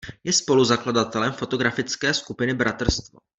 Je spoluzakladatelem fotografické skupiny Bratrstvo.